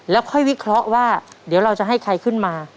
แล้วค่อยวิเคราะห์ว่าเดี๋ยวเราจะให้ใครขึ้นมา